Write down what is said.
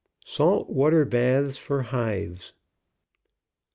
SALT WATER BATHS FOR HIVES.